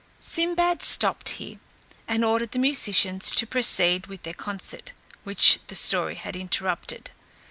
Sinbad stopped here, and ordered the musicians to proceed with their concert, which the story had interrupted.